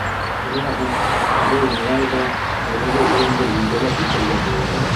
Күрәһең, был малай ҙа әлеге урынды билдәләп үтергә булды.